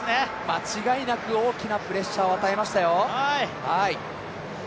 間違いなく大きなプレッシャーを与えましたよ。